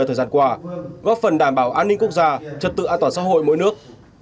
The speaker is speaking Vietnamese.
thời gian qua góp phần đảm bảo an ninh quốc gia trật tự an toàn xã hội mỗi nước